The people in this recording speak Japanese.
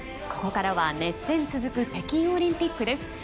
ここからは熱戦が続く北京オリンピックです。